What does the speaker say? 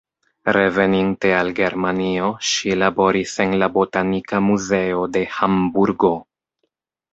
Reveninte al Germanio, ŝi laboris en la Botanika Muzeo de Hamburgo.